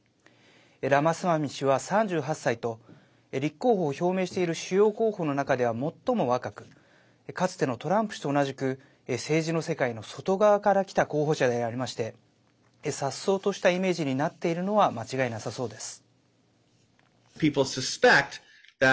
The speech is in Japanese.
ラマスワミ氏は３８歳と立候補を表明している主要候補の中では最も若くかつてのトランプ氏と同じく政治の世界の外側から来た候補者でありましてさっそうとしたイメージになっているのは間違いなさそうです。